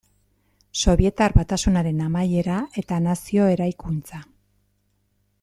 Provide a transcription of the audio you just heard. Sobietar Batasunaren amaiera eta nazio eraikuntza.